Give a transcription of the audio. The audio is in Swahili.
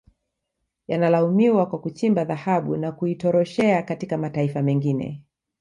Yanalaumiwa kwa kuchimba dhahabu na kuitoroshea katika mataifa mengine